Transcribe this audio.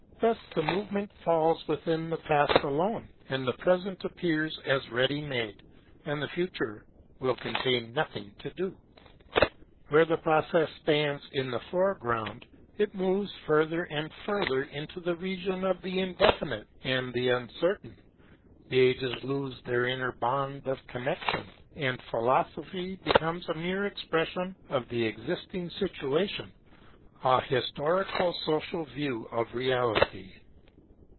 Thus the Movement falls within the Past alone ; the Present appears as ready made, and the Future will contain nothing to do. Where the Process stands in the foreground, it moves further and further into the region of the indefinite and the uncertain; the Ages lose their inner bond of connection, and Philosophy becomes a mere expression of the existing situation a his torico social view of Reality.